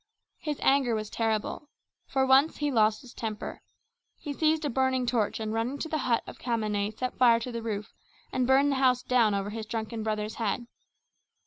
His anger was terrible. For once he lost his temper. He seized a burning torch and running to the hut of Khamane set fire to the roof and burned the house down over his drunken brother's head.